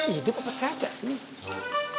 hidup apa kacau sih